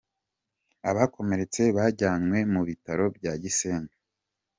Abakomeretse bajyanywe mu bitaro bya Gisenyi.